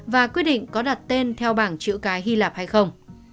và quyết định có đặt tên theo bảng chữ cái hy lạp hay không